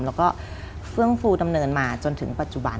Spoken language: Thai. แล้วก็เฟื่องฟูดำเนินมาจนถึงปัจจุบัน